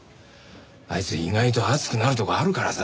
あいつ意外と熱くなるところあるからさ。